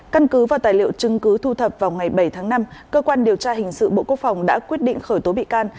căn cứ và tài liệu chứng cứ thu thập vào ngày bảy tháng năm cơ quan điều tra hình sự bộ quốc phòng đã quyết định khởi tố bị can